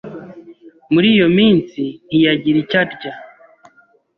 muri iyo minsi ntiyagira icyo arya”